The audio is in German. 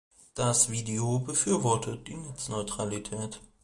Das Video befürwortet die Netzneutralität.